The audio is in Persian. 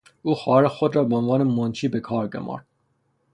او خواهر خود را به عنوان منشی به کار گمارد.